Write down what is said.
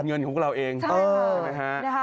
เป็นเงินของเราเองใช่ค่ะใช่ไหมค่ะ